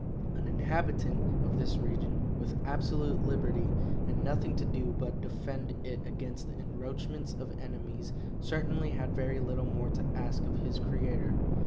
An inhabitant of this region, with absolute liberty, and nothing to do but defend it against the encroachments of enemies, certainly had very little more to ask of his Creator.